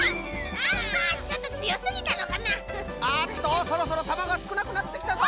ああっとそろそろたまがすくなくなってきたぞ！